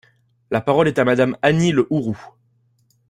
La parole est à Madame Annie Le Houerou.